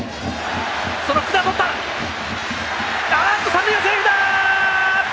三塁はセーフだ！